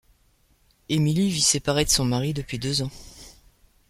Emilie vit séparée de son mari depuis deux ans.